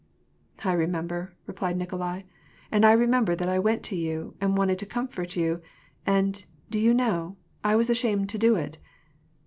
I remember," replied Nikolai ;" and I remember that I went to you and wanted to comfort you ; and, do you know, I was ashamed to do it